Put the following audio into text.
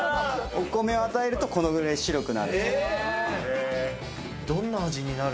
お米を与えると、このぐらい白くなる。